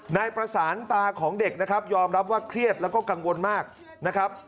นายประสานตาของเด็กนะครับยอมรับว่าเครียดแล้วก็กังวลมากนะครับ